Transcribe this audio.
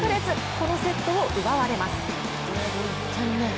このセットを奪われます。